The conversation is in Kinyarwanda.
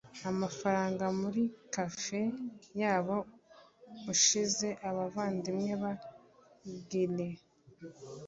amafranga muri café yabo ushize abavandimwe ba Guerra